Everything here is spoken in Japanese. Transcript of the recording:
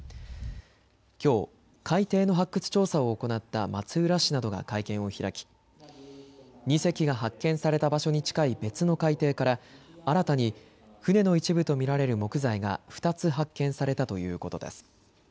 きょう、海底の発掘調査を行った松浦市などが会見を開き２隻が発見された場所に近い別の海底から新たに船の一部と見られる木材が２つ発見されたということです。